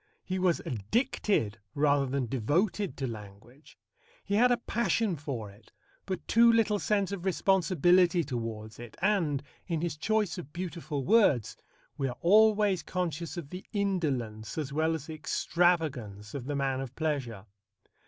He was addicted rather than devoted to language. He had a passion for it, but too little sense of responsibility towards it, and, in his choice of beautiful words, we are always conscious of the indolence as well as the extravagance of the man of pleasure.